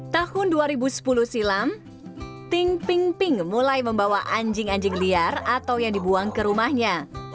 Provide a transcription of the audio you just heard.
tahun dua ribu sepuluh silam ting ping ping mulai membawa anjing anjing liar atau yang dibuang ke rumahnya